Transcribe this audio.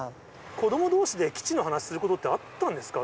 子どもどうしで基地の話することってあったんですか？